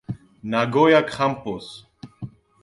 Nagoya Grampus